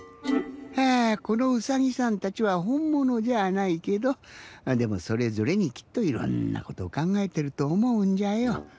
このうさぎさんたちはほんものじゃないけどでもそれぞれにきっといろんなことをかんがえてるとおもうんじゃよ。